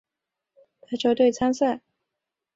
他也代表美国国家男子排球队参赛。